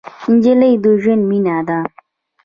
نجلۍ د ژوند مینه ده.